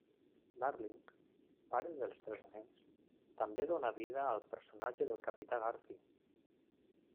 Darling, pare dels tres nens, també dóna vida al personatge del Capità Garfi.